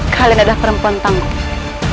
kalian adalah perempuan tangguh